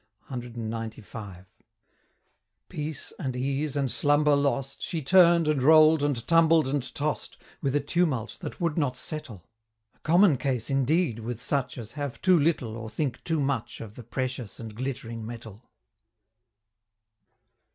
CXCV. Peace, and ease, and slumber lost, She turn'd, and roll'd, and tumbled and toss'd, With a tumult that would not settle. A common case, indeed, with such As have too little, or think too much, Of the precious and glittering metal.